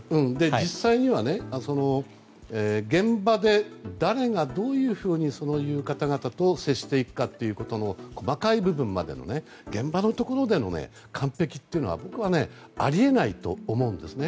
実際にはね、現場で、誰がどういうふうにそういう方々と接していくかということの細かい部分までの現場のところでの完璧というのは僕はあり得ないと思うんですね。